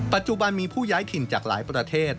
ปัจจุบันมีผู้ย้ายถิ่นจากหลายประเทศ